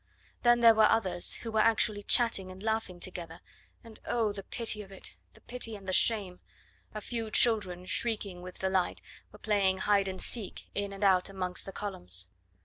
Then there were others who were actually chatting and laughing together, and oh, the pity of it! the pity and the shame! a few children, shrieking with delight, were playing hide and seek in and out amongst the columns.